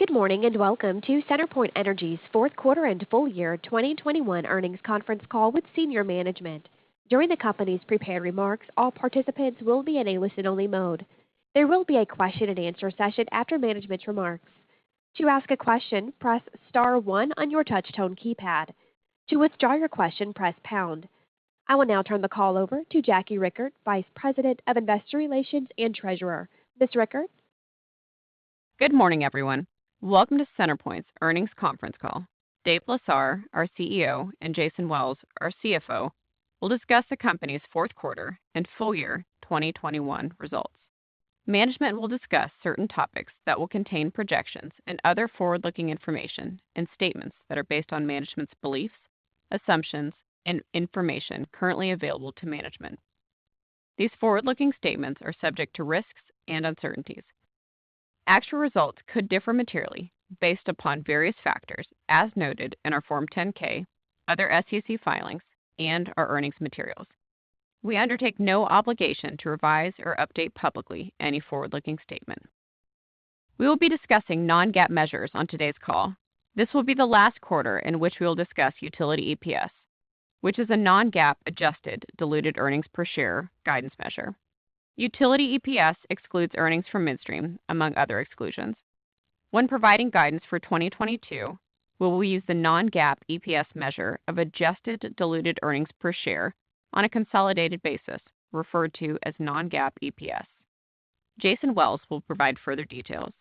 Good morning, and welcome to CenterPoint Energy's Q4 and full year 2021 Earnings Conference Call with senior management. During the company's prepared remarks, all participants will be in a listen-only mode. There will be a question-and-answer session after management's remarks. To ask a question, press star one on your touchtone keypad. To withdraw your question, press pound. I will now turn the call over to Jackie Richert, Vice President of Investor Relations and Treasurer. Ms. Richert? Good morning, everyone. Welcome to CenterPoint's Earnings Conference Call. Dave Lesar, our CEO, and Jason Wells, our CFO, will discuss the company's Q4 and full year 2021 results. Management will discuss certain topics that will contain projections and other forward-looking information and statements that are based on management's beliefs, assumptions, and information currently available to management. These forward-looking statements are subject to risks and uncertainties. Actual results could differ materially based upon various factors as noted in our Form 10-K, other SEC filings, and our earnings materials. We undertake no obligation to revise or update publicly any forward-looking statement. We will be discussing non-GAAP measures on today's call. This will be the last quarter in which we will discuss utility EPS, which is a non-GAAP adjusted diluted earnings per share guidance measure. Utility EPS excludes earnings from midstream, among other exclusions. When providing guidance for 2022, we will use the non-GAAP EPS measure of adjusted diluted earnings per share on a consolidated basis, referred to as non-GAAP EPS. Jason Wells will provide further details.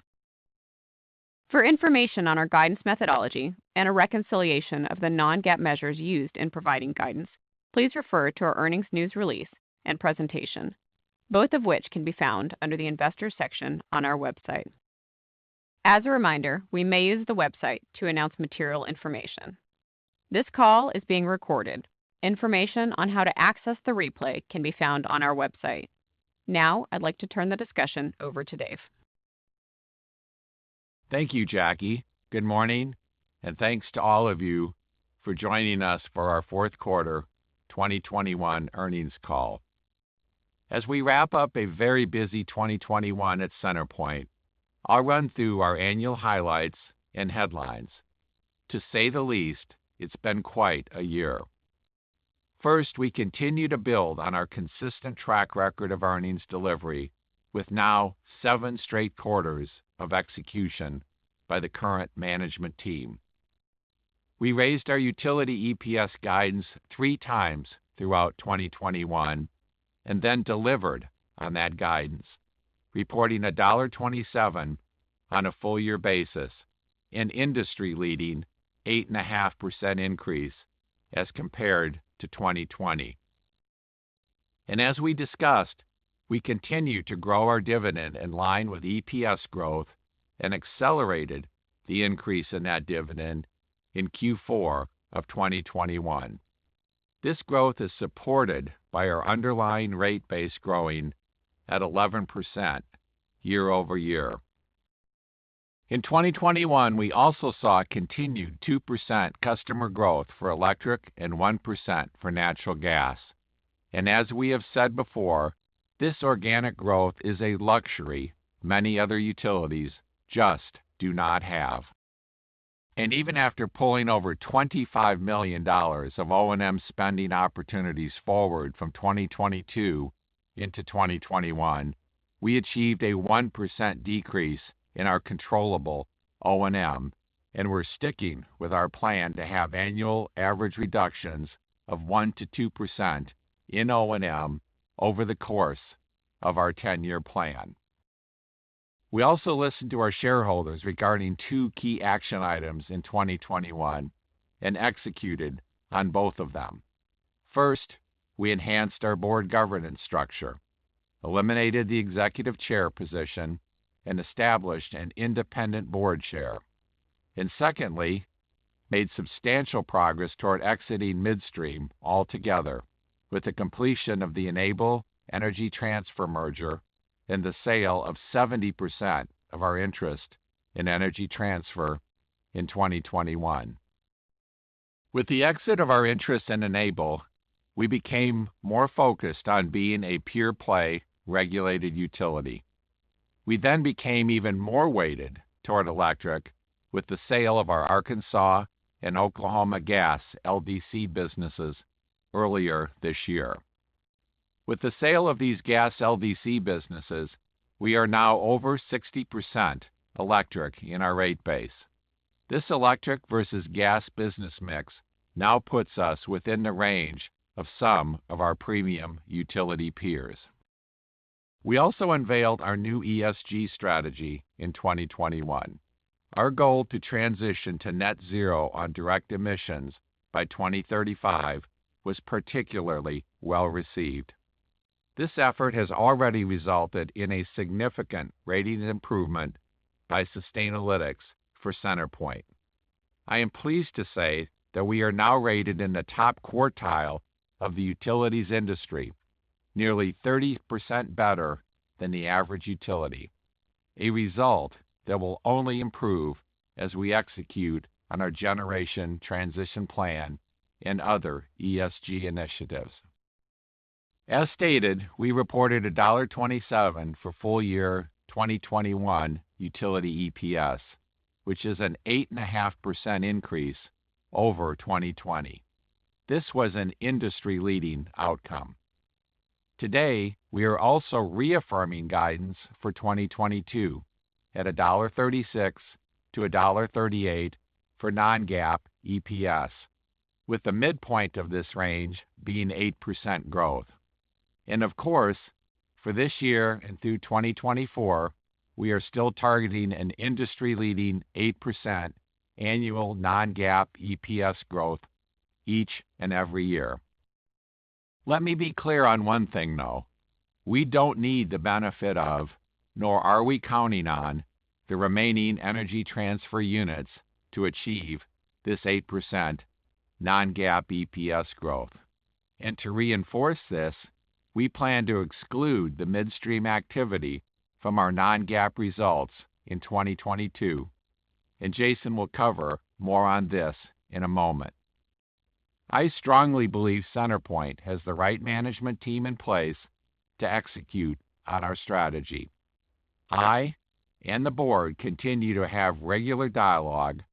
For information on our guidance methodology and a reconciliation of the non-GAAP measures used in providing guidance, please refer to our earnings news release and presentation, both of which can be found under the Investors section on our website. As a reminder, we may use the website to announce material information. This call is being recorded. Information on how to access the replay can be found on our website. Now I'd like to turn the discussion over to Dave. Thank you, Jackie. Good morning, and thanks to all of you for joining us for our Q4 2021 Earnings Call. As we wrap up a very busy 2021 at CenterPoint, I'll run through our annual highlights and headlines. To say the least, it's been quite a year. First, we continue to build on our consistent track record of earnings delivery with now seven straight quarters of execution by the current management team. We raised our utility EPS guidance three times throughout 2021 and then delivered on that guidance, reporting a $1.27 on a full year basis, an industry-leading 8.5% increase as compared to 2020. As we discussed, we continue to grow our dividend in line with EPS growth and accelerated the increase in that dividend in Q4 of 2021. This growth is supported by our underlying rate base growing at 11% year-over-year. In 2021, we also saw continued 2% customer growth for electric and 1% for natural gas. As we have said before, this organic growth is a luxury many other utilities just do not have. Even after pulling over $25 million of O&M spending opportunities forward from 2022 into 2021, we achieved a 1% decrease in our controllable O&M and we're sticking with our plan to have annual average reductions of 1%-2% in O&M over the course of our 10-year plan. We also listened to our shareholders regarding two key action items in 2021 and executed on both of them. First, we enhanced our board governance structure, eliminated the executive chair position, and established an independent board chair. Secondly, made substantial progress toward exiting midstream altogether with the completion of the Enable Energy Transfer merger and the sale of 70% of our interest in Energy Transfer in 2021. With the exit of our interest in Enable, we became more focused on being a pure-play regulated utility. We then became even more weighted toward electric with the sale of our Arkansas and Oklahoma gas LDC businesses earlier this year. With the sale of these gas LDC businesses, we are now over 60% electric in our rate base. This electric versus gas business mix now puts us within the range of some of our premium utility peers. We also unveiled our new ESG strategy in 2021. Our goal to transition to net zero on direct emissions by 2035 was particularly well-received. This effort has already resulted in a significant ratings improvement by Sustainalytics for CenterPoint. I am pleased to say that we are now rated in the top quartile of the utilities industry, nearly 30% better than the average utility, a result that will only improve as we execute on our generation transition plan and other ESG initiatives. As stated, we reported $1.27 for full year 2021 utility EPS, which is an 8.5% increase over 2020. This was an industry-leading outcome. Today, we are also reaffirming guidance for 2022 at $1.36-$1.38 for non-GAAP EPS, with the midpoint of this range being 8% growth. Of course, for this year and through 2024, we are still targeting an industry-leading 8% annual non-GAAP EPS growth each and every year. Let me be clear on one thing, though. We don't need the benefit of, nor are we counting on, the remaining Energy Transfer units to achieve this 8% non-GAAP EPS growth. To reinforce this, we plan to exclude the midstream activity from our non-GAAP results in 2022, and Jason will cover more on this in a moment. I strongly believe CenterPoint has the right management team in place to execute on our strategy. I and the board continue to have regular dialogue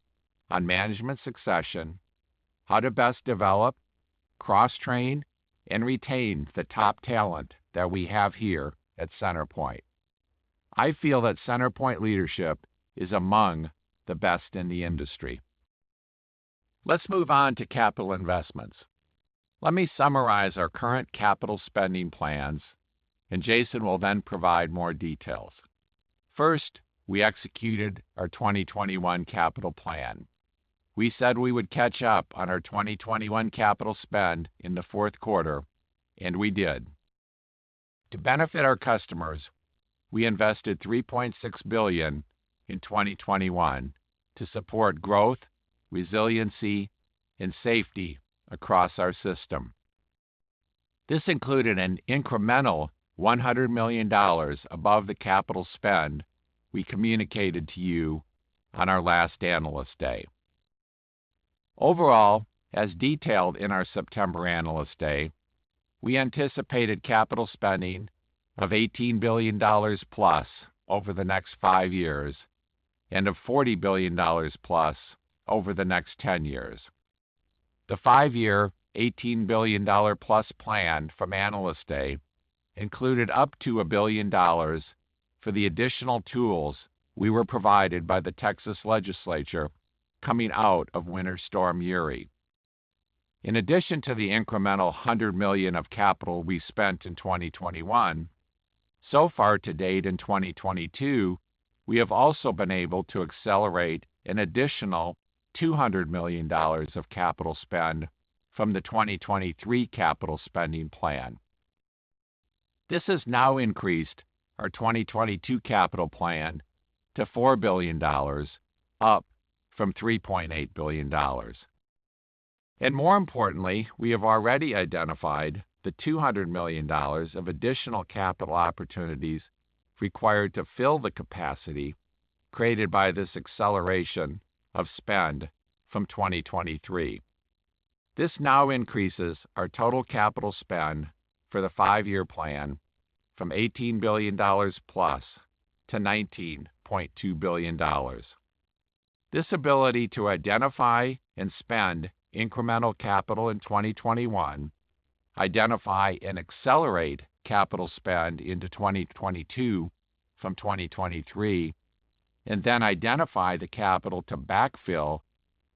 on management succession, how to best develop, cross-train, and retain the top talent that we have here at CenterPoint. I feel that CenterPoint leadership is among the best in the industry. Let's move on to capital investments. Let me summarize our current capital spending plans, and Jason will then provide more details. First, we executed our 2021 capital plan. We said we would catch up on our 2021 capital spend in the Q4, and we did. To benefit our customers, we invested $3.6 billion in 2021 to support growth, resiliency, and safety across our system. This included an incremental $100 million above the capital spend we communicated to you on our last Analyst Day. Overall, as detailed in our September Analyst Day, we anticipated capital spending of $18 billion+ over the next 5 years and of $40 billion+ over the next 10 years. The 5-year, $18 billion+ plan from Analyst Day included up to $1 billion for the additional tools we were provided by the Texas Legislature coming out of Winter Storm Uri. In addition to the incremental $100 million of capital we spent in 2021, so far to date in 2022, we have also been able to accelerate an additional $200 million of capital spend from the 2023 capital spending plan. This has now increased our 2022 capital plan to $4 billion, up from $3.8 billion. More importantly, we have already identified the $200 million of additional capital opportunities required to fill the capacity created by this acceleration of spend from 2023. This now increases our total capital spend for the five-year plan from $18 billion-plus to $19.2 billion. This ability to identify and spend incremental capital in 2021, identify and accelerate capital spend into 2022 from 2023, and then identify the capital to backfill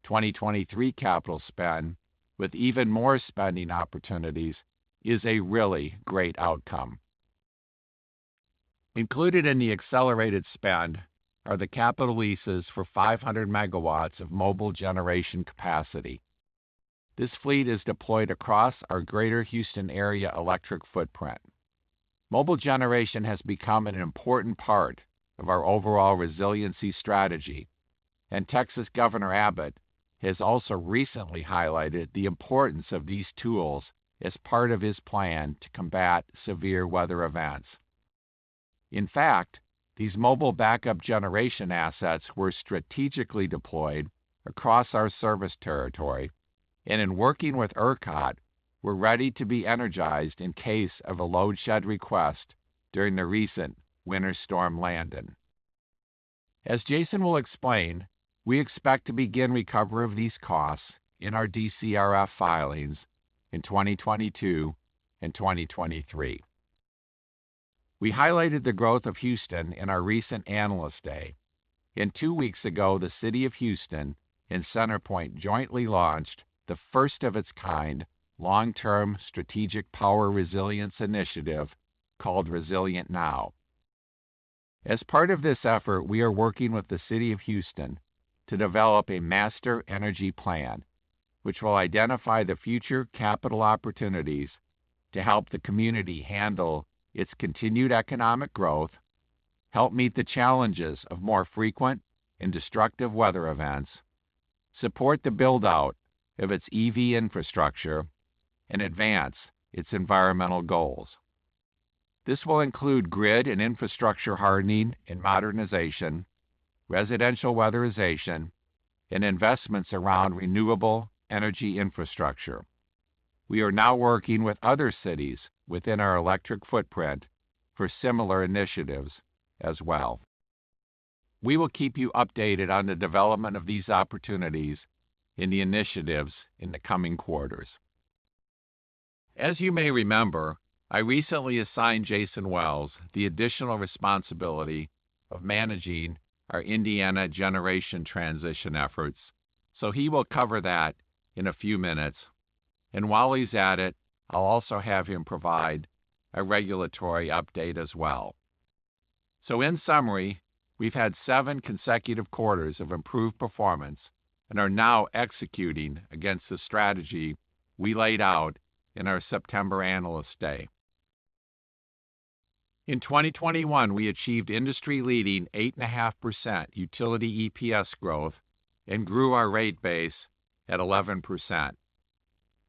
2023 capital spend with even more spending opportunities is a really great outcome. Included in the accelerated spend are the capital leases for 500 MW of mobile generation capacity. This fleet is deployed across our greater Houston area electric footprint. Mobile generation has become an important part of our overall resiliency strategy, and Governor Abbott has also recently highlighted the importance of these tools as part of his plan to combat severe weather events. In fact, these mobile backup generation assets were strategically deployed across our service territory and in working with ERCOT were ready to be energized in case of a load shed request during the recent Winter Storm Landon. As Jason will explain, we expect to begin recovery of these costs in our DCRF filings in 2022 and 2023. We highlighted the growth of Houston in our recent Analyst Day, and two weeks ago, the City of Houston and CenterPoint jointly launched the first of its kind long-term strategic power resilience initiative called Resilient Now. As part of this effort, we are working with the City of Houston to develop a master energy plan, which will identify the future capital opportunities to help the community handle its continued economic growth, help meet the challenges of more frequent and destructive weather events, support the build-out of its EV infrastructure, and advance its environmental goals. This will include grid and infrastructure hardening and modernization, residential weatherization, and investments around renewable energy infrastructure. We are now working with other cities within our electric footprint for similar initiatives as well. We will keep you updated on the development of these opportunities in the initiatives in the coming quarters. As you may remember, I recently assigned Jason Wells the additional responsibility of managing our Indiana generation transition efforts, so he will cover that in a few minutes. While he's at it, I'll also have him provide a regulatory update as well. In summary, we've had seven consecutive quarters of improved performance and are now executing against the strategy we laid out in our September Analyst Day. In 2021, we achieved industry-leading 8.5% Utility EPS growth and grew our rate base at 11%.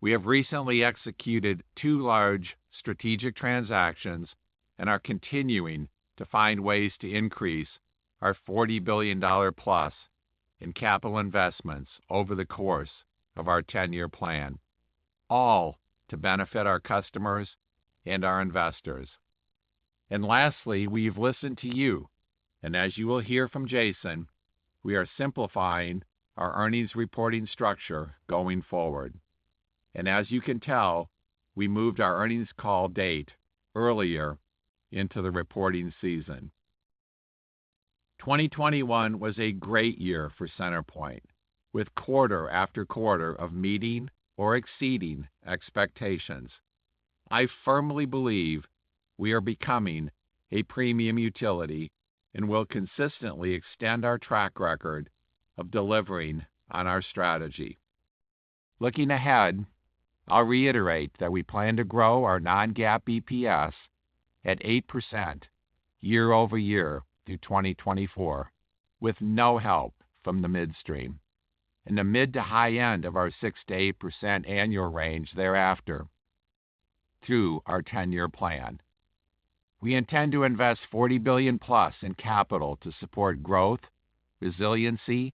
We have recently executed two large strategic transactions and are continuing to find ways to increase our $40 billion plus in capital investments over the course of our 10-year plan, all to benefit our customers and our investors. Lastly, we've listened to you, and as you will hear from Jason, we are simplifying our earnings reporting structure going forward. As you can tell, we moved our earnings call date earlier into the reporting season. 2021 was a great year for CenterPoint, with quarter after quarter of meeting or exceeding expectations. I firmly believe we are becoming a premium utility and will consistently extend our track record of delivering on our strategy. Looking ahead, I'll reiterate that we plan to grow our non-GAAP EPS at 8% year-over-year through 2024, with no help from the midstream, in the mid to high end of our 6%-8% annual range thereafter through our 10-year plan. We intend to invest $40 billion+ in capital to support growth, resiliency,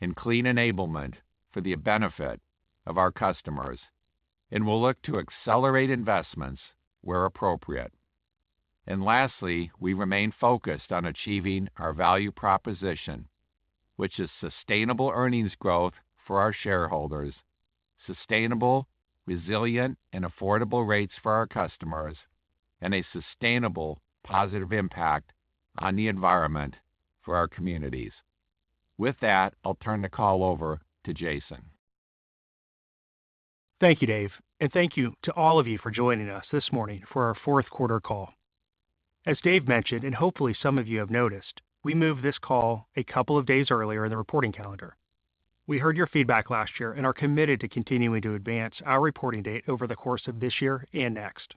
and clean enablement for the benefit of our customers, and we'll look to accelerate investments where appropriate. Lastly, we remain focused on achieving our value proposition, which is sustainable earnings growth for our shareholders, sustainable, resilient, and affordable rates for our customers, and a sustainable positive impact on the environment for our communities. With that, I'll turn the call over to Jason. Thank you, Dave, and thank you to all of you for joining us this morning for our Q4 call. As Dave mentioned, and hopefully some of you have noticed, we moved this call a couple of days earlier in the reporting calendar. We heard your feedback last year and are committed to continuing to advance our reporting date over the course of this year and next.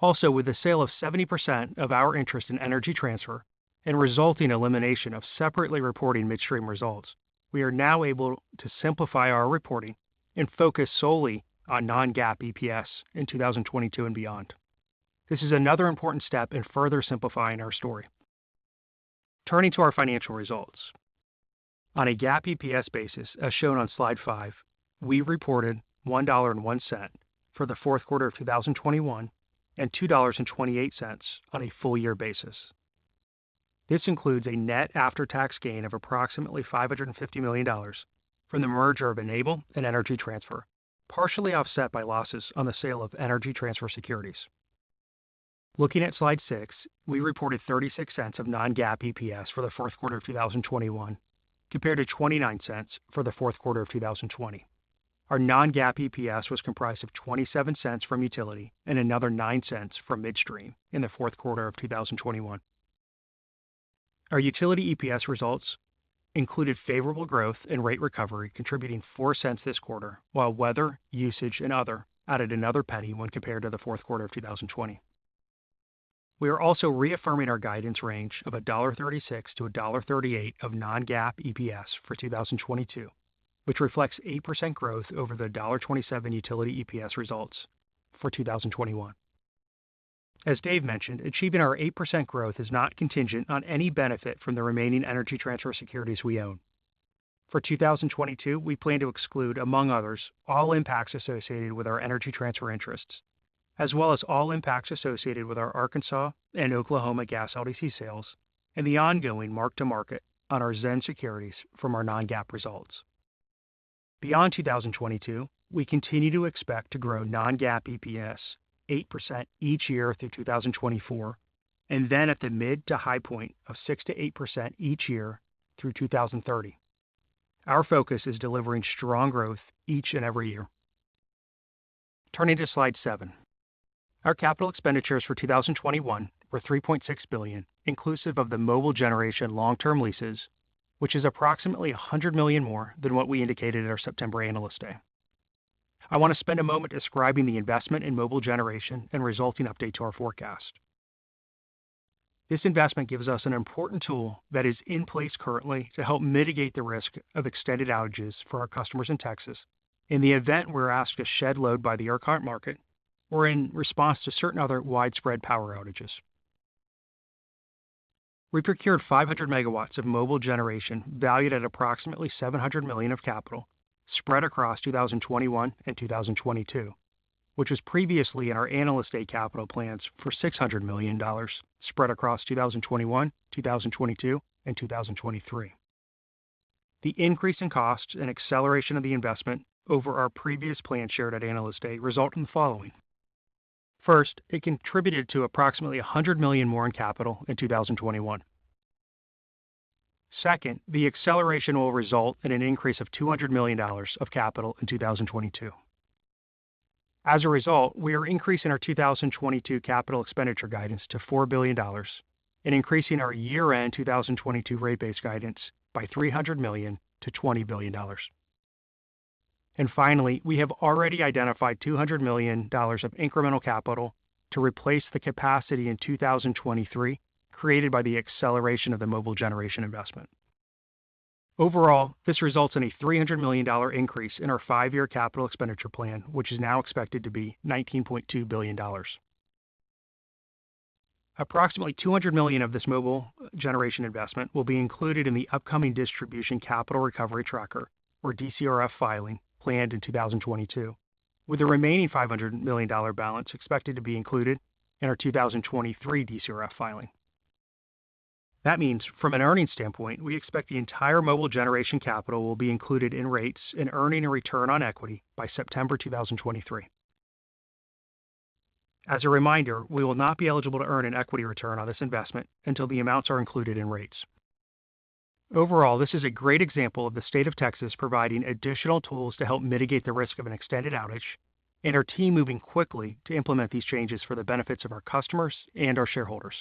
Also, with the sale of 70% of our interest in Energy Transfer and resulting elimination of separately reporting midstream results, we are now able to simplify our reporting and focus solely on non-GAAP EPS in 2022 and beyond. This is another important step in further simplifying our story. Turning to our financial results. On a GAAP EPS basis, as shown on slide 5, we reported $1.01 for the Q4 of 2021 and $2.28 on a full-year basis. This includes a net after-tax gain of approximately $550 million from the merger of Enable and Energy Transfer, partially offset by losses on the sale of Energy Transfer securities. Looking at slide 6, we reported $0.36 of non-GAAP EPS for the Q4 of 2021, compared to $0.29 for the Q4 of 2020. Our non-GAAP EPS was comprised of $0.27 from utility and another $0.09 from midstream in the Q4 of 2021. Our utility EPS results included favorable growth and rate recovery, contributing $0.04 this quarter, while weather, usage, and other added another $0.01 when compared to the Q4 of 2020. We are also reaffirming our guidance range of $1.36-$1.38 of non-GAAP EPS for 2022, which reflects 8% growth over the $1.27 utility EPS results for 2021. As Dave mentioned, achieving our 8% growth is not contingent on any benefit from the remaining Energy Transfer securities we own. For 2022, we plan to exclude, among others, all impacts associated with our Energy Transfer interests, as well as all impacts associated with our Arkansas and Oklahoma gas LDC sales and the ongoing mark-to-market on our ZENS securities from our non-GAAP results. Beyond 2022, we continue to expect to grow non-GAAP EPS 8% each year through 2024, and then at the mid to high point of 6%-8% each year through 2030. Our focus is delivering strong growth each and every year. Turning to slide 7. Our capital expenditures for 2021 were $3.6 billion, inclusive of the mobile generation long-term leases, which is approximately $100 million more than what we indicated at our September Analyst Day. I want to spend a moment describing the investment in mobile generation and resulting update to our forecast. This investment gives us an important tool that is in place currently to help mitigate the risk of extended outages for our customers in Texas in the event we're asked to shed load by the ERCOT market or in response to certain other widespread power outages. We procured 500 MW of mobile generation valued at approximately $700 million of capital spread across 2021 and 2022, which was previously in our Analyst Day capital plans for $600 million spread across 2021, 2022, and 2023. The increase in costs and acceleration of the investment over our previous plan shared at Analyst Day results in the following. First, it contributed to approximately $100 million more in capital in 2021. Second, the acceleration will result in an increase of $200 million of capital in 2022. As a result, we are increasing our 2022 capital expenditure guidance to $4 billion and increasing our year-end 2022 rate base guidance by $300 million to $20 billion. Finally, we have already identified $200 million of incremental capital to replace the capacity in 2023 created by the acceleration of the mobile generation investment. Overall, this results in a $300 million increase in our five year capital expenditure plan, which is now expected to be $19.2 billion. Approximately $200 million of this mobile generation investment will be included in the upcoming Distribution Capital Recovery Tracker, or DCRF filing planned in 2022, with the remaining $500 million balance expected to be included in our 2023 DCRF filing. That means from an earnings standpoint, we expect the entire mobile generation capital will be included in rates and earning a return on equity by September 2023. As a reminder, we will not be eligible to earn an equity return on this investment until the amounts are included in rates. Overall, this is a great example of the state of Texas providing additional tools to help mitigate the risk of an extended outage and our team moving quickly to implement these changes for the benefits of our customers and our shareholders.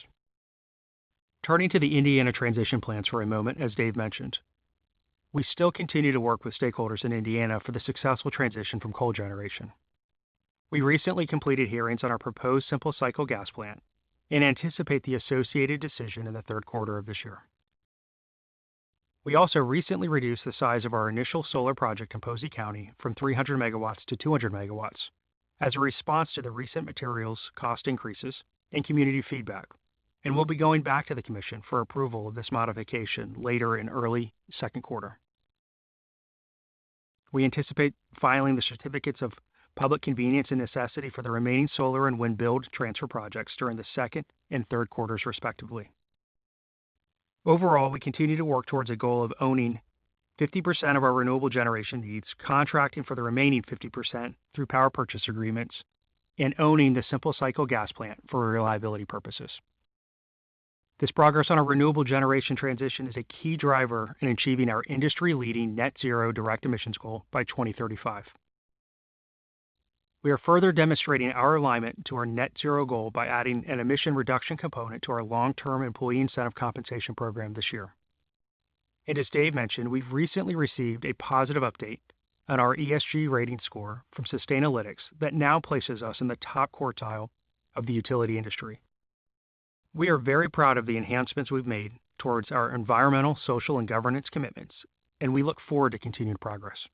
Turning to the Indiana transition plans for a moment, as Dave mentioned, we still continue to work with stakeholders in Indiana for the successful transition from coal generation. We recently completed hearings on our proposed simple cycle gas plant and anticipate the associated decision in the Q3 of this year. We also recently reduced the size of our initial solar project in Posey County from 300 MW to 200 MW as a response to the recent materials cost increases and community feedback, and we'll be going back to the commission for approval of this modification later in early Q2. We anticipate filing the certificates of public convenience and necessity for the remaining solar and wind build transfer projects during the Q2 and Q3, respectively. Overall, we continue to work towards a goal of owning 50% of our renewable generation needs, contracting for the remaining 50% through power purchase agreements, and owning the simple cycle gas plant for reliability purposes. This progress on our renewable generation transition is a key driver in achieving our industry-leading Net Zero direct emissions goal by 2035. We are further demonstrating our alignment to our Net Zero goal by adding an emission reduction component to our long-term employee incentive compensation program this year. As Dave mentioned, we've recently received a positive update on our ESG rating score from Sustainalytics that now places us in the top quartile of the utility industry. We are very proud of the enhancements we've made towards our environmental, social, and governance commitments, and we look forward to continued progress.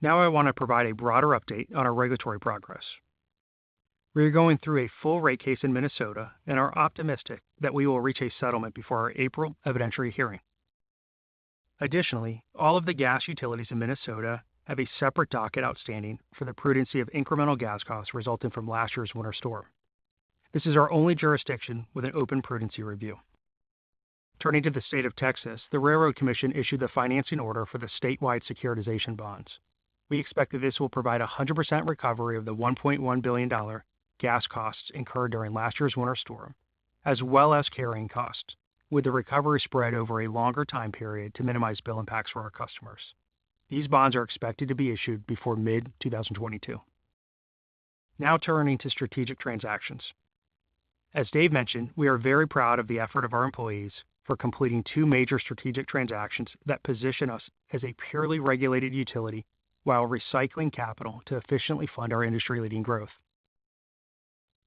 Now I want to provide a broader update on our regulatory progress. We are going through a full rate case in Minnesota and are optimistic that we will reach a settlement before our April evidentiary hearing. Additionally, all of the gas utilities in Minnesota have a separate docket outstanding for the prudency of incremental gas costs resulting from last year's winter storm. This is our only jurisdiction with an open prudency review. Turning to the state of Texas, the Railroad Commission issued the financing order for the statewide securitization bonds. We expect that this will provide 100% recovery of the $1.1 billion gas costs incurred during last year's winter storm, as well as carrying costs, with the recovery spread over a longer time period to minimize bill impacts for our customers. These bonds are expected to be issued before mid-2022. Now turning to strategic transactions. As Dave mentioned, we are very proud of the effort of our employees for completing two major strategic transactions that position us as a purely regulated utility while recycling capital to efficiently fund our industry-leading growth.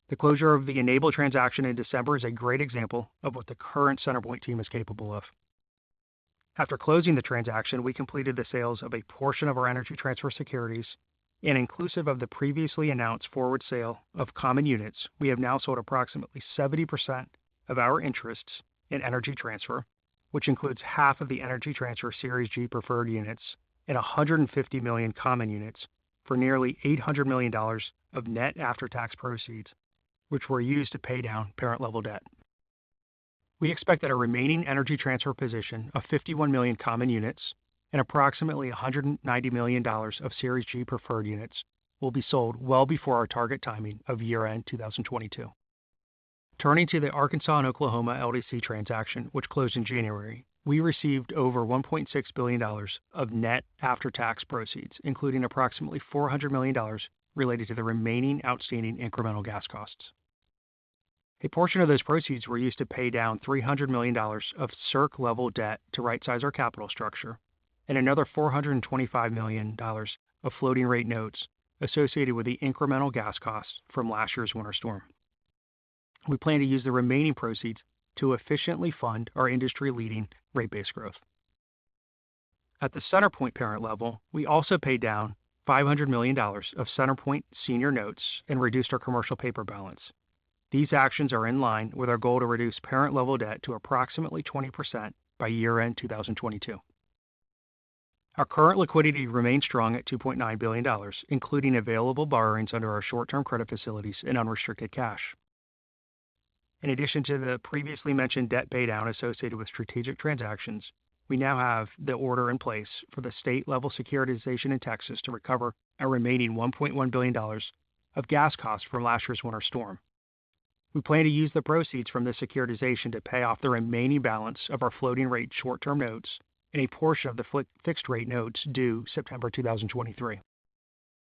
The closure of the Enable transaction in December is a great example of what the current CenterPoint team is capable of. After closing the transaction, we completed the sales of a portion of our Energy Transfer securities and, inclusive of the previously announced forward sale of common units. We have now sold approximately 70% of our interests in Energy Transfer, which includes half of the Energy Transfer Series G preferred units and 150 million common units for nearly $800 million of net after-tax proceeds, which were used to pay down parent level debt. We expect that a remaining Energy Transfer position of 51 million common units and approximately $190 million of Series G preferred units will be sold well before our target timing of year-end 2022. Turning to the Arkansas and Oklahoma LDC transaction, which closed in January, we received over $1.6 billion of net after-tax proceeds, including approximately $400 million related to the remaining outstanding incremental gas costs. A portion of those proceeds were used to pay down $300 million of CERC-level debt to rightsize our capital structure. Another $425 million of floating rate notes associated with the incremental gas costs from last year's winter storm. We plan to use the remaining proceeds to efficiently fund our industry-leading rate base growth. At the CenterPoint parent level, we also paid down $500 million of CenterPoint senior notes and reduced our commercial paper balance. These actions are in line with our goal to reduce parent level debt to approximately 20% by year-end 2022. Our current liquidity remains strong at $2.9 billion, including available borrowings under our short-term credit facilities and unrestricted cash. In addition to the previously mentioned debt paydown associated with strategic transactions, we now have the order in place for the state-level securitization in Texas to recover our remaining $1.1 billion of gas costs from last year's winter storm. We plan to use the proceeds from this securitization to pay off the remaining balance of our floating rate short-term notes and a portion of the fixed rate notes due September 2023.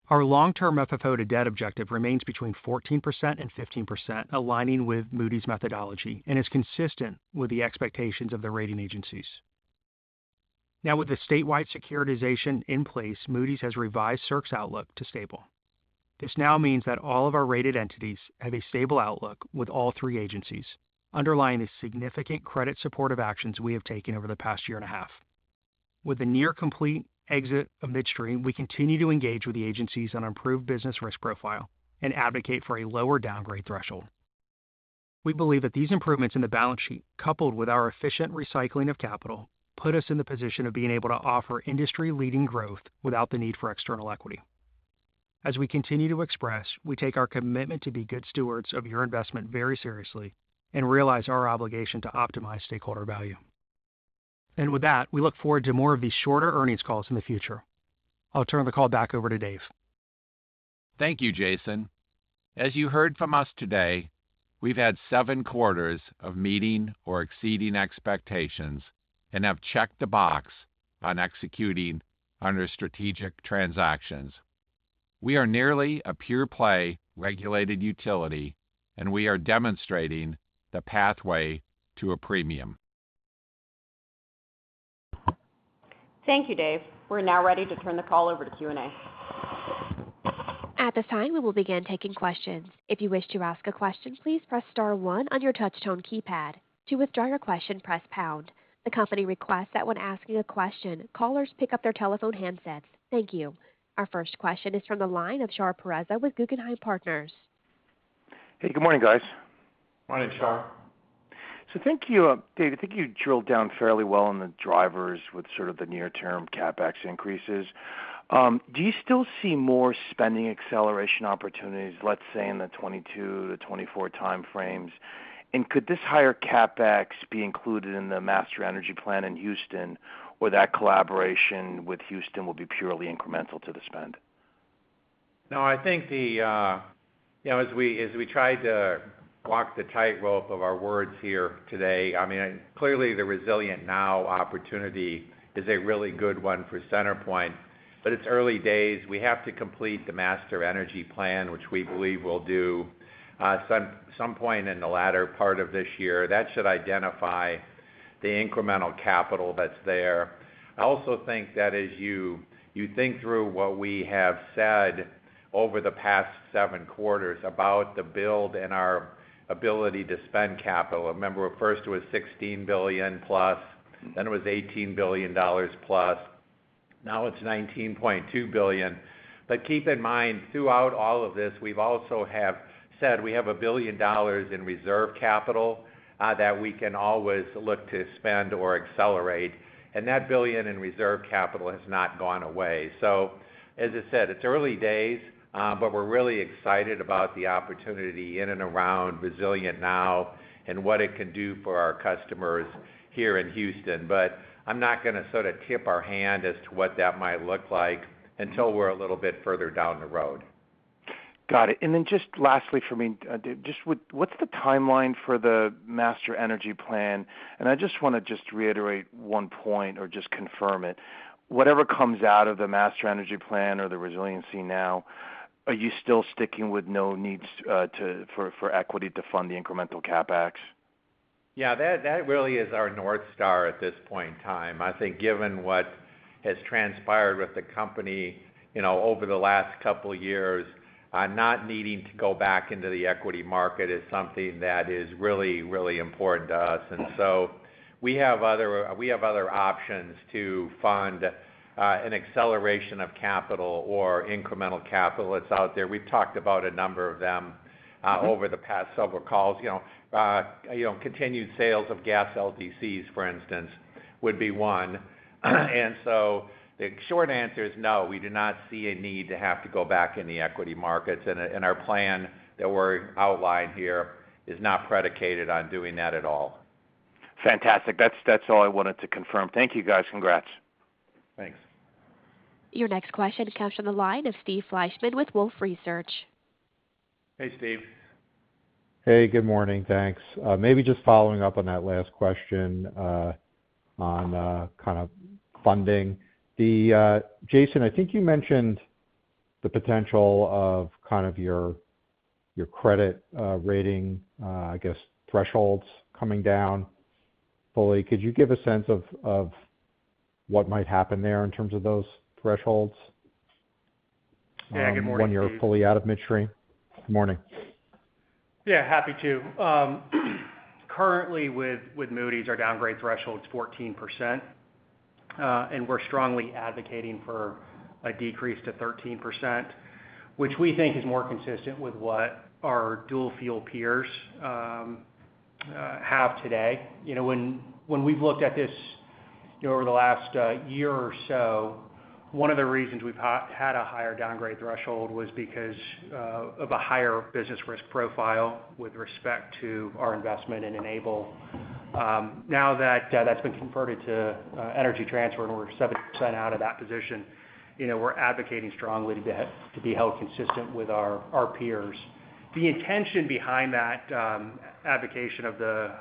Our long-term FFO to debt objective remains between 14%-15%, aligning with Moody's methodology and is consistent with the expectations of the rating agencies. Now, with the statewide securitization in place, Moody's has revised CERC's outlook to stable. This now means that all of our rated entities have a stable outlook with all three agencies, underlying the significant credit supportive actions we have taken over the past year and a half. With the near complete exit of midstream, we continue to engage with the agencies on improved business risk profile and advocate for a lower downgrade threshold. We believe that these improvements in the balance sheet, coupled with our efficient recycling of capital, put us in the position of being able to offer industry-leading growth without the need for external equity. As we continue to express, we take our commitment to be good stewards of your investment very seriously and realize our obligation to optimize stakeholder value. With that, we look forward to more of these shorter earnings calls in the future. I'll turn the call back over to Dave. Thank you, Jason. As you heard from us today, we've had seven quarters of meeting or exceeding expectations and have checked the box on executing on our strategic transactions. We are nearly a pure play regulated utility, and we are demonstrating the pathway to a premium. Thank you, Dave. We're now ready to turn the call over to Q&A. At this time, we will begin taking questions. If you wish to ask a question, please press star one on your touch tone keypad. To withdraw your question, press pound. The company requests that when asking a question, callers pick up their telephone handsets. Thank you. Our first question is from the line of Shahriar Pourreza with Guggenheim Securities. Hey, good morning, guys. Morning, Shar. Thank you. Dave, I think you drilled down fairly well on the drivers with sort of the near-term CapEx increases. Do you still see more spending acceleration opportunities, let's say in the 2022-2024 time frames? Could this higher CapEx be included in the master energy plan in Houston, or that collaboration with Houston will be purely incremental to the spend? No, I think the you know, as we try to walk the tightrope of our words here today, I mean, clearly the Resilient Now opportunity is a really good one for CenterPoint, but it's early days. We have to complete the master energy plan, which we believe we'll do some point in the latter part of this year. That should identify the incremental capital that's there. I also think that as you think through what we have said over the past seven quarters about the build and our ability to spend capital. Remember, at first it was $16 billion plus, then it was $18 billion plus. Now it's $19.2 billion. Keep in mind, throughout all of this, we've also said we have $1 billion in reserve capital that we can always look to spend or accelerate, and that $1 billion in reserve capital has not gone away. As I said, it's early days, but we're really excited about the opportunity in and around Resilient Now and what it can do for our customers here in Houston. I'm not gonna sort of tip our hand as to what that might look like until we're a little bit further down the road. Got it. Just lastly for me, just what's the timeline for the master energy plan? I just wanna just reiterate one point or just confirm it. Whatever comes out of the master energy plan or the Resilient Now, are you still sticking with no needs for equity to fund the incremental CapEx? Yeah, that really is our North Star at this point in time. I think given what has transpired with the company, you know, over the last couple years, not needing to go back into the equity market is something that is really, really important to us. We have other options to fund an acceleration of capital or incremental capital that's out there. We've talked about a number of them over the past several calls. You know, continued sales of gas LDCs, for instance, would be one. The short answer is no, we do not see a need to have to go back in the equity markets. Our plan that we've outlined here is not predicated on doing that at all. Fantastic. That's all I wanted to confirm. Thank you, guys. Congrats. Thanks. Your next question comes from the line of Steve Fleishman with Wolfe Research. Hey, Steve. Hey, good morning. Thanks. Maybe just following up on that last question, on kind of funding. Then, Jason, I think you mentioned the potential of kind of your credit rating, I guess thresholds coming down fully. Could you give a sense of what might happen there in terms of those thresholds? Yeah, good morning, Steve. When you're fully out of midstream. Morning. Yeah, happy to. Currently with Moody's, our downgrade threshold is 14%. We're strongly advocating for a decrease to 13%, which we think is more consistent with what our dual fuel peers have today. You know, when we've looked at this, you know, over the last year or so, one of the reasons we've had a higher downgrade threshold was because of a higher business risk profile with respect to our investment in Enable. Now that that's been converted to Energy Transfer, and we're 70% out of that position, you know, we're advocating strongly to be held consistent with our peers. The intention behind that advocacy of the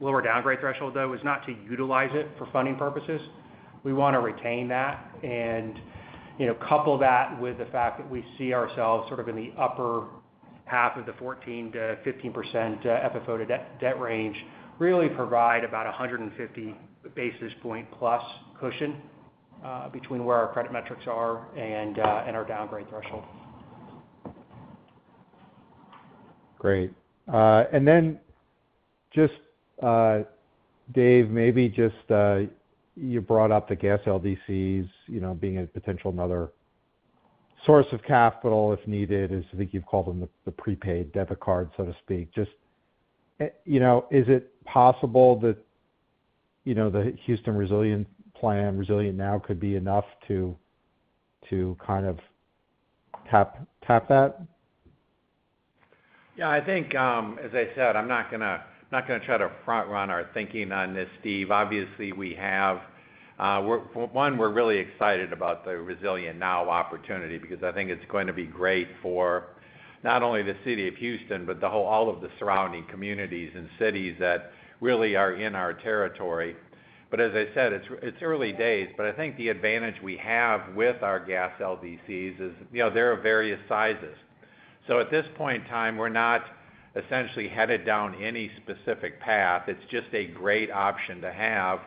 lower downgrade threshold, though, is not to utilize it for funding purposes. We want to retain that, and, you know, couple that with the fact that we see ourselves sort of in the upper half of the 14%-15% FFO-to-debt range, really provide about 150 basis points plus cushion between where our credit metrics are and our downgrade threshold. Great. Dave, maybe just, you brought up the gas LDCs, you know, being a potential another source of capital if needed, as I think you've called them, the prepaid debit card, so to speak. Just, you know, is it possible that, you know, the Houston Resilient Plan, Resilient Now could be enough to kind of tap that? Yeah, I think, as I said, I'm not gonna try to front run our thinking on this, Steve. Obviously, we have, we're really excited about the Resilient Now opportunity because I think it's going to be great for not only the City of Houston, but the whole, all of the surrounding communities and cities that really are in our territory. As I said, it's early days, but I think the advantage we have with our gas LDCs is, you know, there are various sizes. So at this point in time, we're not essentially headed down any specific path. It's just a great option to have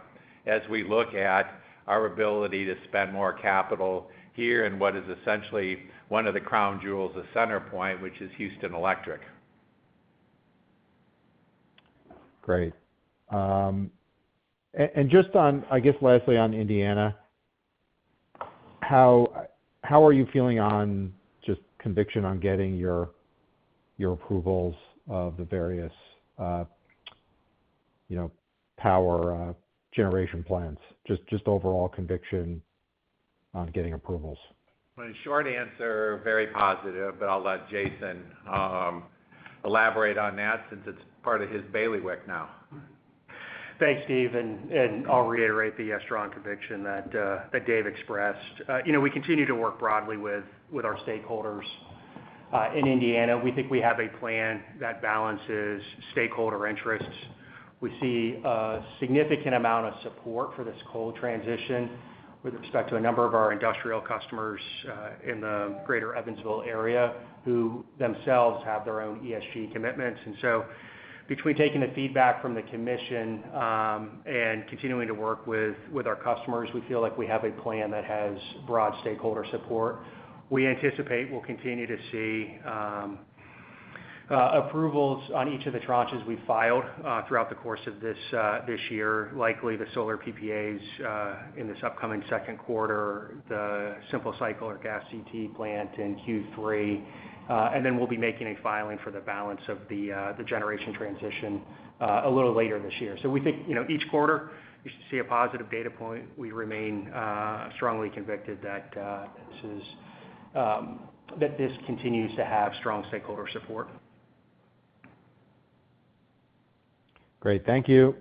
as we look at our ability to spend more capital here in what is essentially one of the crown jewels of CenterPoint, which is Houston Electric. Great. Just on, I guess, lastly on Indiana, how are you feeling on just conviction on getting your approvals of the various, you know, power generation plans? Just overall conviction on getting approvals. Well, short answer, very positive, but I'll let Jason elaborate on that since it's part of his bailiwick now. Thanks, Steve. I'll reiterate the strong conviction that Dave expressed. You know, we continue to work broadly with our stakeholders in Indiana. We think we have a plan that balances stakeholder interests. We see a significant amount of support for this coal transition with respect to a number of our industrial customers in the greater Evansville area, who themselves have their own ESG commitments. Between taking the feedback from the commission and continuing to work with our customers, we feel like we have a plan that has broad stakeholder support. We anticipate we'll continue to see approvals on each of the tranches we filed throughout the course of this year. Likely the solar PPAs in this upcoming Q2, the simple cycle or gas CT plant in Q3. We'll be making a filing for the balance of the generation transition a little later this year. We think, you know, each quarter you should see a positive data point. We remain strongly convicted that this continues to have strong stakeholder support. Great. Thank you.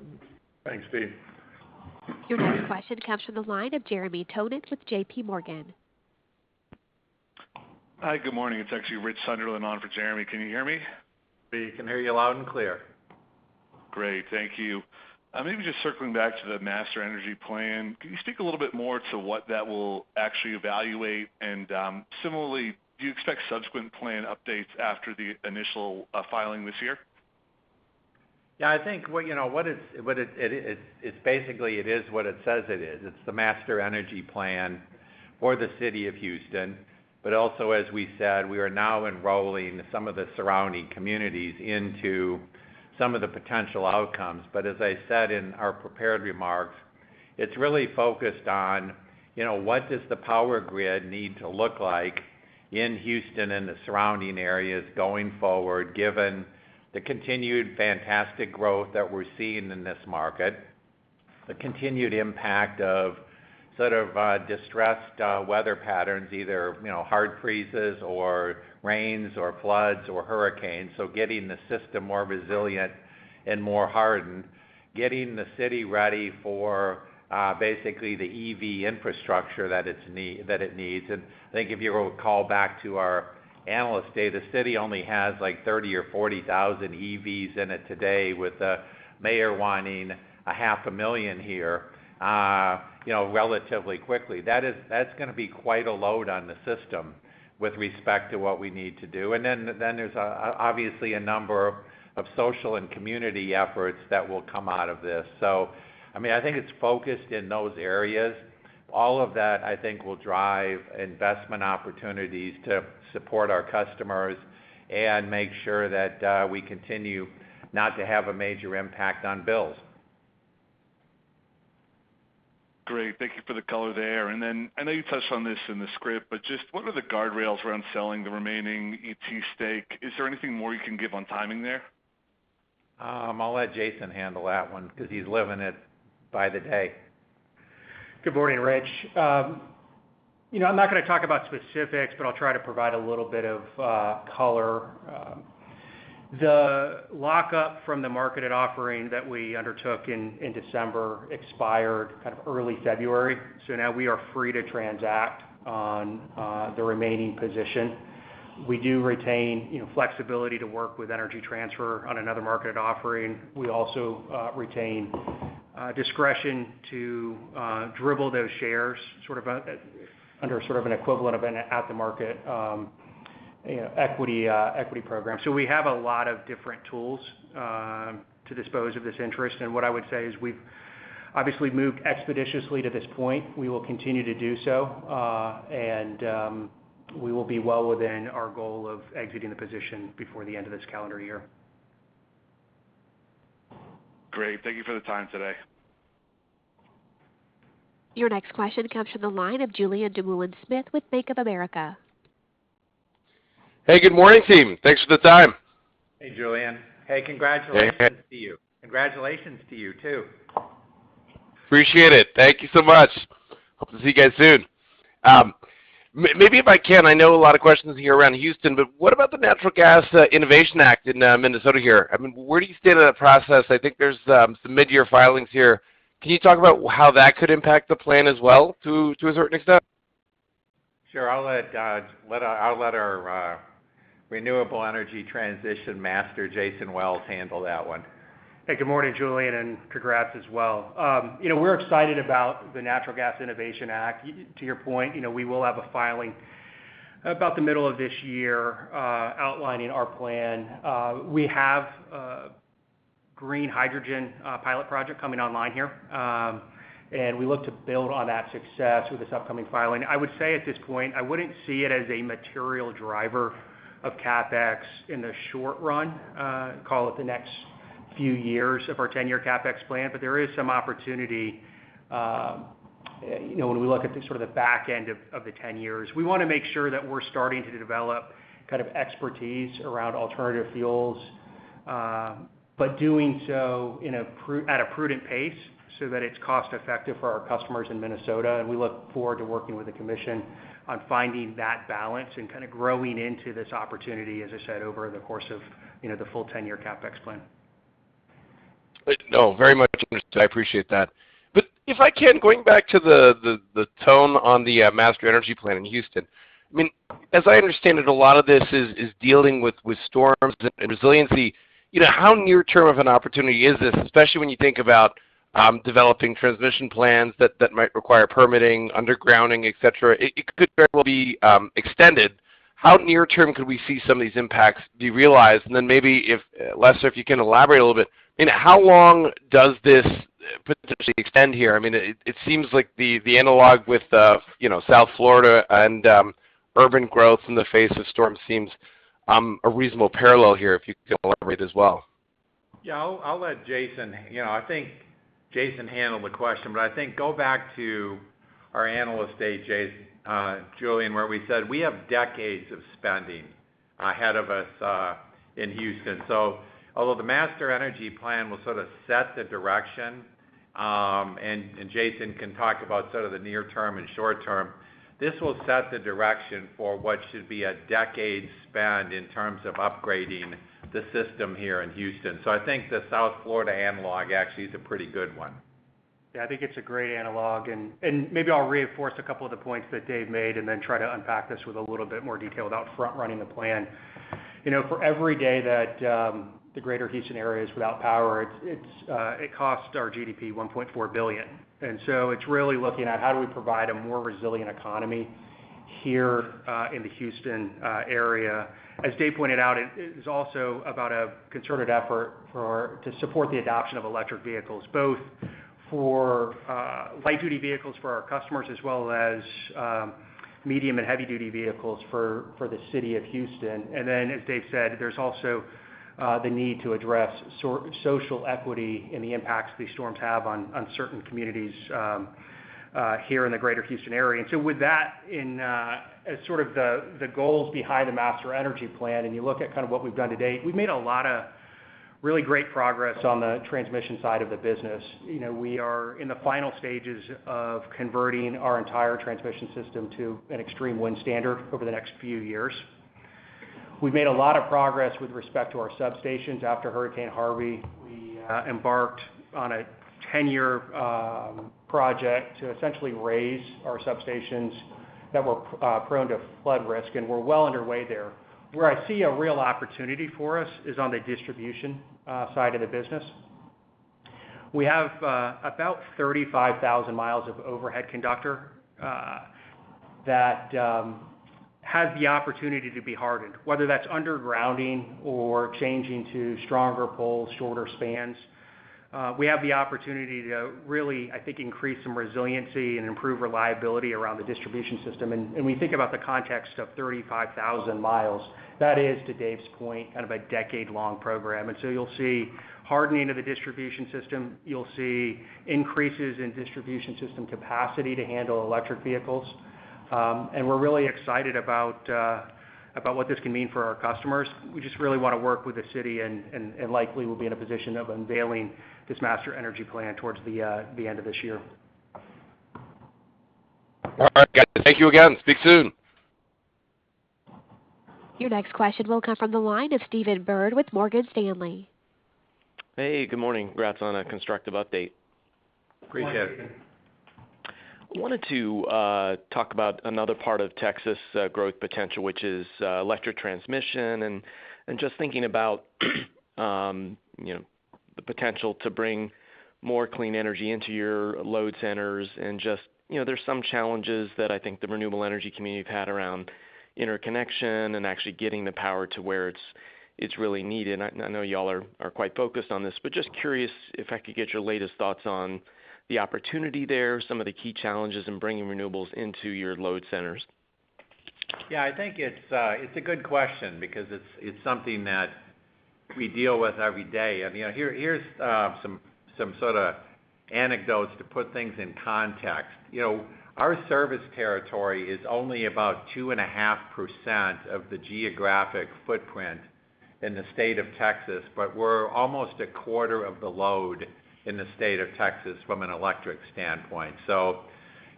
Thanks, Steve. Your next question comes from the line of Jeremy Tonet with J.P. Morgan. Hi. Good morning. It's actually Rich Sunderland on for Jeremy. Can you hear me? We can hear you loud and clear. Great. Thank you. Maybe just circling back to the master energy plan. Can you speak a little bit more to what that will actually evaluate? Similarly, do you expect subsequent plan updates after the initial filing this year? Yeah, I think, you know, what it is. It's basically it is what it says it is. It's the master energy plan for the City of Houston. Also as we said, we are now enrolling some of the surrounding communities into some of the potential outcomes. As I said in our prepared remarks, it's really focused on, you know, what does the power grid need to look like in Houston and the surrounding areas going forward, given the continued fantastic growth that we're seeing in this market. The continued impact of sort of distressed weather patterns, either, you know, hard freezes or rains or floods or hurricanes. Getting the system more resilient and more hardened. Getting the city ready for basically the EV infrastructure that it needs. I think if you recall back to our Analyst Day, the city only has like 30,000 or 40,000 EVs in it today with the mayor wanting 500,000 here, you know, relatively quickly. That's gonna be quite a load on the system with respect to what we need to do. There's obviously a number of social and community efforts that will come out of this. I mean, I think it's focused in those areas. All of that, I think, will drive investment opportunities to support our customers and make sure that we continue not to have a major impact on bills. Great. Thank you for the color there. I know you touched on this in the script, but just what are the guardrails around selling the remaining ET stake? Is there anything more you can give on timing there? I'll let Jason handle that one because he's living it by the day. Good morning, Rich. You know, I'm not gonna talk about specifics, but I'll try to provide a little bit of color. The lockup from the marketed offering that we undertook in December expired kind of early February, so now we are free to transact on the remaining position. We do retain, you know, flexibility to work with Energy Transfer on another marketed offering. We also retain discretion to dribble those shares sort of under sort of an equivalent of an at-the-market, you know, equity program. So we have a lot of different tools to dispose of this interest. What I would say is we've obviously moved expeditiously to this point. We will continue to do so, and we will be well within our goal of exiting the position before the end of this calendar year. Great. Thank you for the time today. Your next question comes from the line of Julien Dumoulin-Smith with Bank of America. Hey, good morning, team. Thanks for the time. Hey, Julien. Hey, congratulations to you. Hey. Congratulations to you too. Appreciate it. Thank you so much. Hope to see you guys soon. Maybe if I can, I know a lot of questions here around Houston, but what about the Natural Gas Innovation Act in Minnesota here? I mean, where do you stand in that process? I think there's some mid-year filings here. Can you talk about how that could impact the plan as well to a certain extent? Sure. I'll let our renewable energy transition master, Jason Wells, handle that one. Hey, good morning, Julien, and congrats as well. You know, we're excited about the Natural Gas Innovation Act. To your point, you know, we will have a filing about the middle of this year, outlining our plan. We have green hydrogen pilot project coming online here, and we look to build on that success with this upcoming filing. I would say at this point, I wouldn't see it as a material driver of CapEx in the short run, call it the next few years of our 10-year CapEx plan. There is some opportunity, you know, when we look at the sort of the back end of the 10 years. We wanna make sure that we're starting to develop kind of expertise around alternative fuels, but doing so at a prudent pace so that it's cost effective for our customers in Minnesota. We look forward to working with the commission on finding that balance and kind of growing into this opportunity, as I said, over the course of, you know, the full ten-year CapEx plan. No, very much understood. I appreciate that. If I can, going back to the tone on the master energy plan in Houston. I mean, as I understand it, a lot of this is dealing with storms and resiliency. You know, how near-term of an opportunity is this, especially when you think about developing transmission plans that might require permitting, undergrounding, et cetera? It could very well be extended. How near-term could we see some of these impacts be realized? Maybe if Lesar, if you can elaborate a little bit, I mean, how long does this potentially extend here? I mean, it seems like the analog with you know, South Florida and urban growth in the face of storms seems a reasonable parallel here, if you could elaborate as well. Yeah. I'll let Jason. You know, I think Jason handled the question, but I think go back to our Analyst Day, Julien, where we said we have decades of spending ahead of us in Houston. Although the master energy plan will sort of set the direction, and Jason can talk about sort of the near term and short term, this will set the direction for what should be a decade spend in terms of upgrading the system here in Houston. I think the South Florida analog actually is a pretty good one. Yeah, I think it's a great analog, and maybe I'll reinforce a couple of the points that Dave made and then try to unpack this with a little bit more detail without front-running the plan. You know, for every day that the greater Houston area is without power, it's it costs our GDP $1.4 billion. It's really looking at how do we provide a more resilient economy here in the Houston area. As Dave pointed out, it is also about a concerted effort to support the adoption of electric vehicles, both for light-duty vehicles for our customers as well as medium and heavy-duty vehicles for the city of Houston. As Dave said, there's also the need to address social equity and the impacts these storms have on certain communities here in the greater Houston area. With that in mind, as sort of the goals behind the master energy plan, and you look at kind of what we've done to date, we've made a lot of really great progress on the transmission side of the business. You know, we are in the final stages of converting our entire transmission system to an extreme wind standard over the next few years. We've made a lot of progress with respect to our substations. After Hurricane Harvey, we embarked on a 10-year project to essentially raise our substations that were prone to flood risk, and we're well underway there. Where I see a real opportunity for us is on the distribution side of the business. We have about 35,000 miles of overhead conductor that has the opportunity to be hardened, whether that's undergrounding or changing to stronger poles, shorter spans. We have the opportunity to really, I think, increase some resiliency and improve reliability around the distribution system. We think about the context of 35,000 miles. That is, to Dave's point, kind of a decade-long program. You'll see hardening of the distribution system, you'll see increases in distribution system capacity to handle electric vehicles. We're really excited about what this can mean for our customers. We just really wanna work with the city and likely we'll be in a position of unveiling this master energy plan towards the end of this year. All right, guys. Thank you again. Speak soon. Your next question will come from the line of Stephen Byrd with Morgan Stanley. Hey, good morning. Congrats on a constructive update. Good morning, Stephen. Appreciate it. wanted to talk about another part of Texas' growth potential, which is electric transmission. Just thinking about, you know, the potential to bring more clean energy into your load centers and just, you know, there's some challenges that I think the renewable energy community have had around interconnection and actually getting the power to where it's really needed. I know y'all are quite focused on this, but just curious if I could get your latest thoughts on the opportunity there, some of the key challenges in bringing renewables into your load centers. I think it's a good question because it's something that we deal with every day. You know, here's some sorta anecdotes to put things in context. You know, our service territory is only about 2.5% of the geographic footprint in the state of Texas, but we're almost 25% of the load in the state of Texas from an electric standpoint.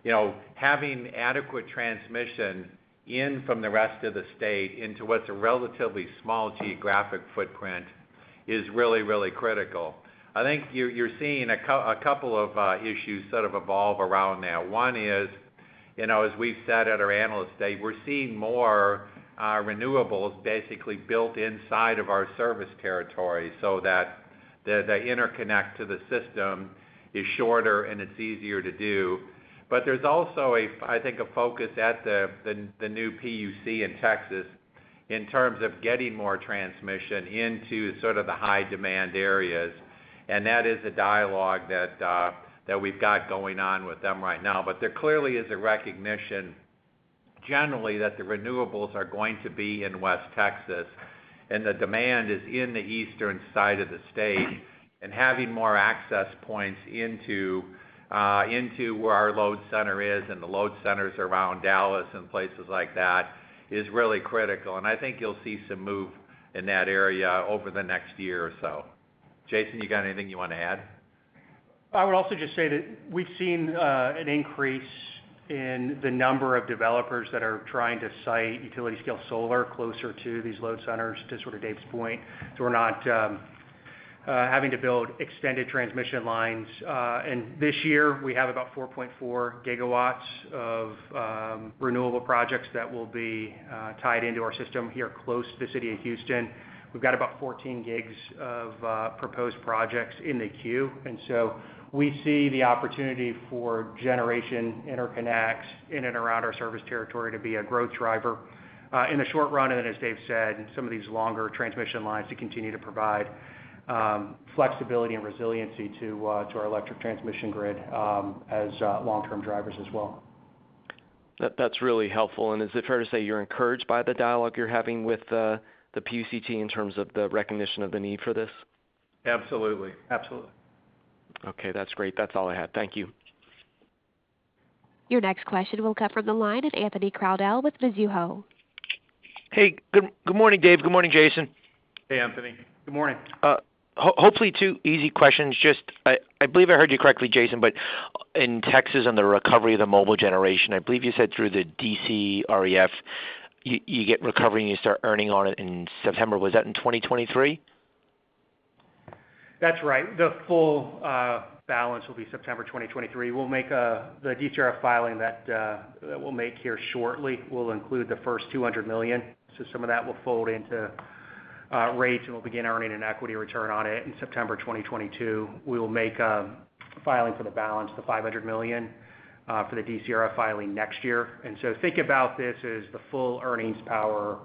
You know, having adequate transmission in from the rest of the state into what's a relatively small geographic footprint is really critical. I think you're seeing a couple of issues sort of evolve around now. One is, you know, as we've said at our Analyst Day, we're seeing more renewables basically built inside of our service territory so that the interconnect to the system is shorter, and it's easier to do. There's also, I think, a focus at the new PUC in Texas in terms of getting more transmission into sort of the high demand areas, and that is a dialogue that we've got going on with them right now. There clearly is a recognition generally that the renewables are going to be in West Texas, and the demand is in the eastern side of the state. Having more access points into where our load center is and the load centers around Dallas and places like that is really critical. I think you'll see some move in that area over the next year or so. Jason, you got anything you wanna add? I would also just say that we've seen an increase in the number of developers that are trying to site utility scale solar closer to these load centers, to sort of Dave's point, so we're not having to build extended transmission lines. This year, we have about 4.4 gigawatts of renewable projects that will be tied into our system here close to the City of Houston. We've got about 14 gigs of proposed projects in the queue. We see the opportunity for generation interconnects in and around our service territory to be a growth driver in the short run, and as Dave said, some of these longer transmission lines to continue to provide flexibility and resiliency to our electric transmission grid as long-term drivers as well. That's really helpful. Is it fair to say you're encouraged by the dialogue you're having with the PUCT in terms of the recognition of the need for this? Absolutely. Okay. That's great. That's all I had. Thank you. Your next question will come from the line of Anthony Crowdell with Mizuho. Hey. Good morning, Dave. Good morning, Jason. Hey, Anthony. Good morning. Hopefully two easy questions. Just, I believe I heard you correctly, Jason, but in Texas, on the recovery of the mobile generation, I believe you said through the DCRF, you get recovery, and you start earning on it in September. Was that in 2023? That's right. The full balance will be September 2023. We'll make the DCRF filing that we'll make here shortly. We'll include the first $200 million. So some of that will fold into rates, and we'll begin earning an equity return on it in September 2022. We will make a filing for the balance, the $500 million, for the DCRF filing next year. Think about this as the full earnings power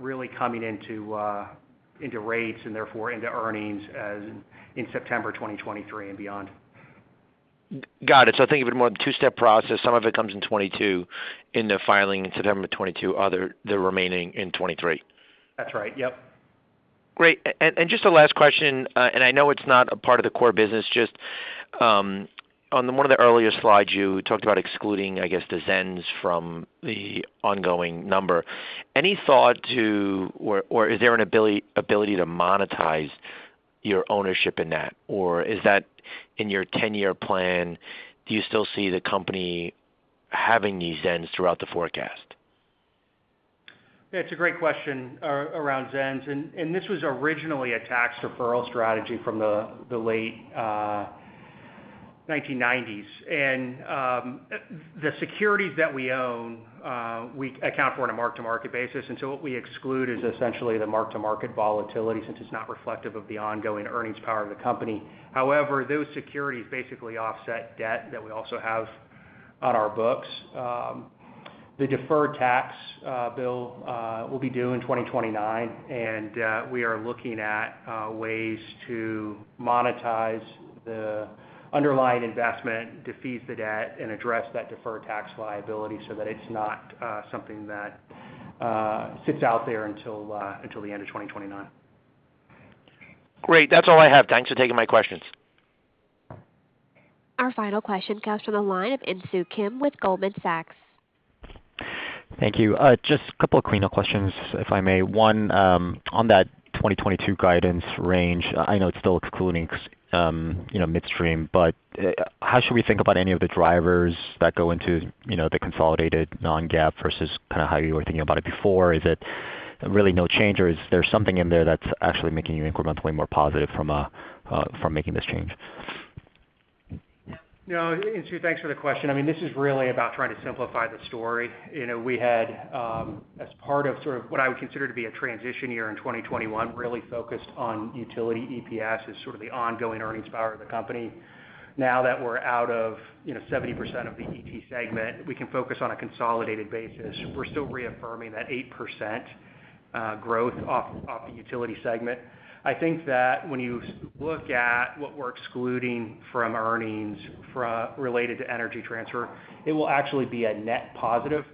really coming into rates and therefore into earnings as in September 2023 and beyond. Got it. I think of it more of a two-step process. Some of it comes in 2022, in the filing in September of 2022, other, the remaining in 2023. That's right. Yep. Great. Just the last question, and I know it's not a part of the core business. Just on one of the earlier slides, you talked about excluding, I guess, the ZENS from the ongoing number. Any thought to, or is there an ability to monetize your ownership in that? Or is that in your 10-year plan? Do you still see the company having these ZENS throughout the forecast? It's a great question around ZENS. This was originally a tax deferral strategy from the late 1990s. The securities that we own, we account for on a mark-to-market basis. What we exclude is essentially the mark-to-market volatility, since it's not reflective of the ongoing earnings power of the company. However, those securities basically offset debt that we also have on our books. The deferred tax bill will be due in 2029, and we are looking at ways to monetize the underlying investment, defease the debt, and address that deferred tax liability so that it's not something that sits out there until the end of 2029. Great. That's all I have. Thanks for taking my questions. Our final question comes from the line of Insoo Kim with Goldman Sachs. Thank you. Just a couple of cleanup questions, if I may. One, on that 2022 guidance range. I know it's still excluding, you know, midstream, but how should we think about any of the drivers that go into, you know, the consolidated non-GAAP versus kind of how you were thinking about it before? Is it really no change, or is there something in there that's actually making your increments way more positive from making this change? No, Insoo, thanks for the question. I mean, this is really about trying to simplify the story. You know, we had as part of sort of what I would consider to be a transition year in 2021, really focused on utility EPS as sort of the ongoing earnings power of the company. Now that we're out of, you know, 70% of the ET segment, we can focus on a consolidated basis. We're still reaffirming that 8% growth off the utility segment. I think that when you look at what we're excluding from earnings related to Energy Transfer, it will actually be a net positive.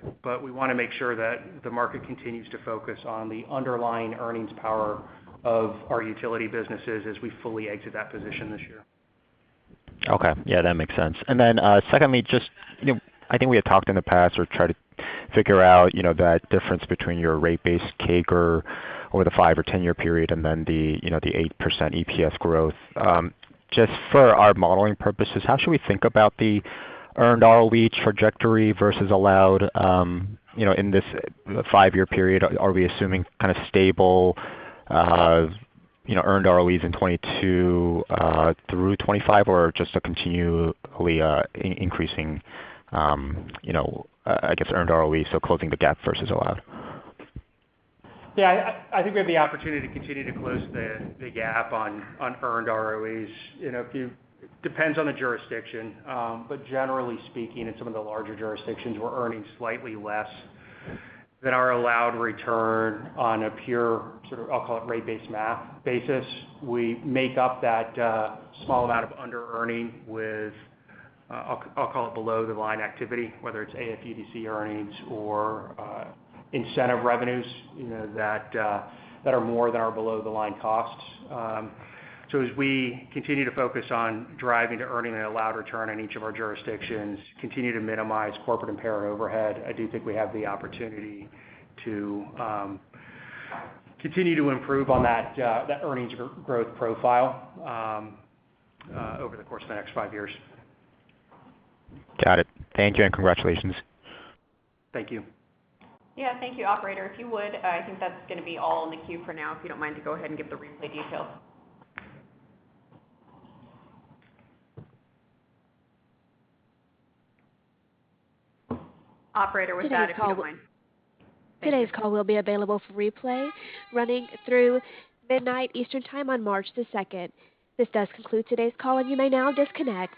We wanna make sure that the market continues to focus on the underlying earnings power of our utility businesses as we fully exit that position this year. Okay. Yeah, that makes sense. Then, secondly, just, you know, I think we had talked in the past or tried to figure out, you know, that difference between your rate base CAGR over the 5 or 10-year period and then the, you know, the 8% EPS growth. Just for our modeling purposes, how should we think about the earned ROE trajectory versus allowed, you know, in this 5-year period? Are we assuming kind of stable, you know, earned ROEs in 2022 through 2025, or just a continually increasing, you know, I guess, earned ROE, so closing the gap versus allowed? Yeah, I think we have the opportunity to continue to close the gap on earned ROEs. You know, it depends on the jurisdiction. But generally speaking, in some of the larger jurisdictions, we're earning slightly less than our allowed return on a pure sort of, I'll call it rate base math basis. We make up that small amount of under-earning with, I'll call it below-the-line activity, whether it's AFUDC earnings or incentive revenues, you know, that are more than our below-the-line costs. As we continue to focus on driving to earning an allowed return in each of our jurisdictions, continue to minimize corporate and parent overhead, I do think we have the opportunity to continue to improve on that earnings growth profile over the course of the next five years. Got it. Thank you, and congratulations. Thank you. Yeah, thank you. Operator, if you would, I think that's gonna be all in the queue for now, if you don't mind to go ahead and give the replay details. Operator, with that, if you don't mind. Today's call will be available for replay running through midnight Eastern Time on March 2. This does conclude today's call, and you may now disconnect.